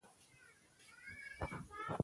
د ژبې زور په منطق کې دی نه په سختو لغتونو.